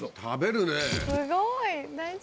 食べるね！